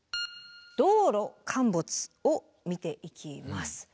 道路陥没を見ていきます。